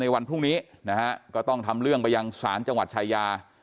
วันพรุ่งนี้นะฮะก็ต้องทำเรื่องไปยังศาลจังหวัดชายา